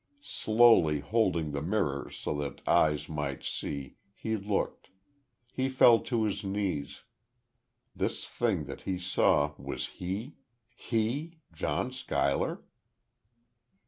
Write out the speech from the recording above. Slowly, holding the mirror so that eyes might see, he looked.... He fell to his knees.... This thing that he saw was he! He! John Schuyler!